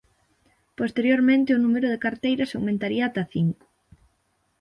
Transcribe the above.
Posteriormente o número de carteiras aumentaría ata cinco.